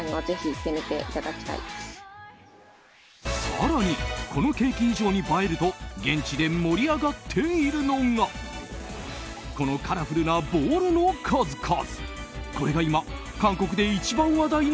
更にこのケーキ以上に映えると現地で盛り上がっているのがこのカラフルなボールの数々。